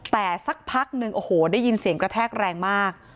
แต่สักพักหนึ่งโอ้โหได้ยินเสียงกระแทกแรงมาก